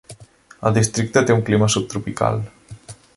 El districte té un clima subtropical.